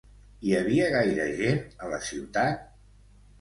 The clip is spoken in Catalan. Hi havia gaire gent a la ciutat?